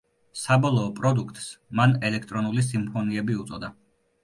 საბოლოო პროდუქტს მან „ელექტრონული სიმფონიები უწოდა“.